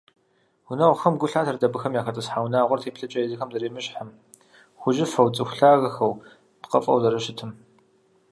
Гъунэгъухэм гу лъатэрт абыхэм яхэтӀысхьа унагъуэр теплъэкӀэ езыхэм зэремыщхьым, хужьыфэу, цӀыху лъагэхэу, пкъыфӀэу зэрыщытым.